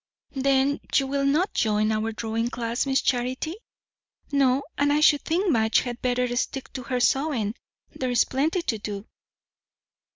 "Then you will not join our drawing class, Miss Charity?" "No; and I should think Madge had better stick to her sewing. There's plenty to do."